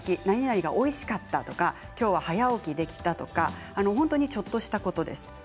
何々がおいしかったとかきょうは早起きできたとか本当にちょっとしたことです。